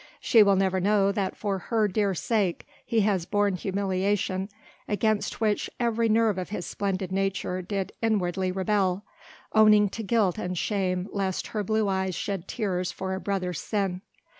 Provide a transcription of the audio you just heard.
She will never know that for her dear sake, he has borne humiliation against which every nerve of his splendid nature did inwardly rebel, owning to guilt and shame lest her blue eyes shed tears for a brother's sin.